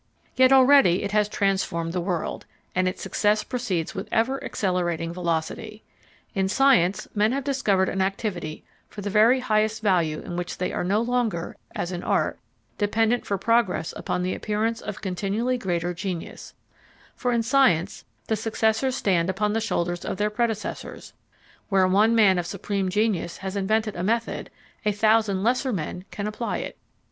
Yet already it has transformed the world, and its success proceeds with ever accelerating velocity. In science men have discovered an activity of the very highest value in which they are no longer, as in art, dependent for progress upon the appearance of continually greater genius, for in science the successors stand upon the shoulders of their predecessors; where one man of supreme genius has invented a method, a thousand lesser men can apply it.